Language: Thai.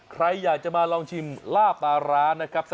ใครอยากจะมาลองชิมลาบปลาร้านะครับ